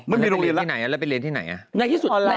มันไปเรียนที่ไหนและไปเรียนที่ไหน